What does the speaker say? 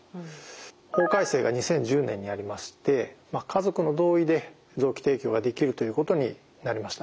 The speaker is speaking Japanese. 法改正が２０１０年にありまして家族の同意で臓器提供ができるということになりました。